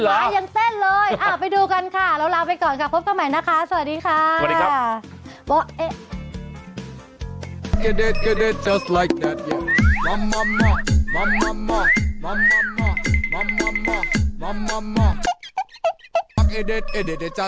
หมายังเต้นเลยไปดูกันค่ะเราลาไปก่อนค่ะพบกันใหม่นะคะสวัสดีค่ะ